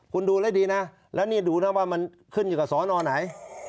คุณดูแล้วดีนะแล้วนี่ดูนะว่ามันขึ้นอยู่กับสอนอไหน